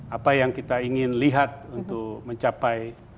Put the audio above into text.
apa yang kita ingin lihat untuk mencapai